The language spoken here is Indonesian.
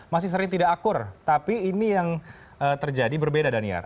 masih sering tidak akur tapi ini yang terjadi berbeda daniar